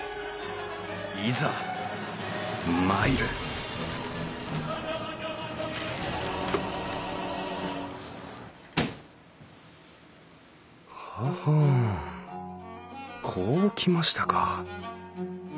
いざ参るははんこうきましたか。